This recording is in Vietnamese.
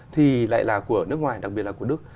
thì lại là của nước ngoài đặc biệt là của đức